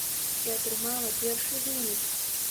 І атрымала першы вынік!